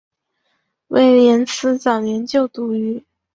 威廉斯早年就读于。